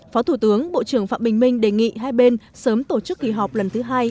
phó thủ tướng bộ trưởng phạm bình minh đề nghị hai bên sớm tổ chức kỳ họp lần thứ hai